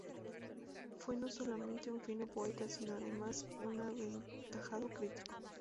Fue no solamente un fino poeta, sino además un aventajado crítico.